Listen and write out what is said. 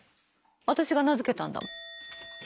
私が名付けたんだもん。